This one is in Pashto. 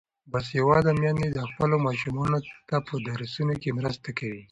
باسواده میندې خپلو ماشومانو ته په درسونو کې مرسته کوي.